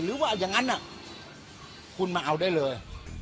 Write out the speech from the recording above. หรือว่าอย่างนั้นคุณมาเอาได้เลย